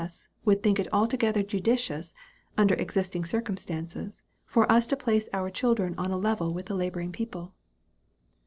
S. would think it altogether judicious, under existing circumstances, for us to place our children on a level with the laboring people."